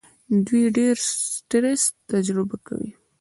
دوی ډېر سټرس تجربه کوي.